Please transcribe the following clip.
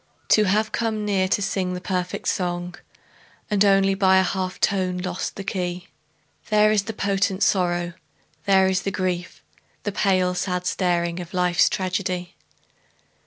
To have come near to sing the perfect song And only by a half tone lost the key, There is the potent sorrow, there the grief, The pale, sad staring of life's tragedy.